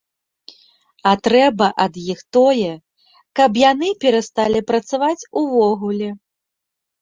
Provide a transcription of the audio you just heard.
А трэба ад іх тое, каб яны перасталі працаваць увогуле.